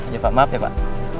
ya pak maaf ya pak